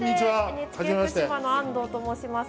ＮＨＫ福島の安藤と申します。